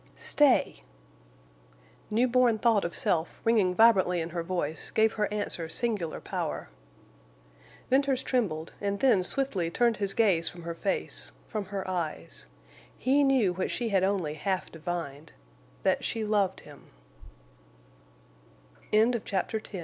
"Stay!" New born thought of self, ringing vibrantly in her voice, gave her answer singular power. Venters trembled, and then swiftly turned his gaze from her face—from her eyes. He knew what she had only half divi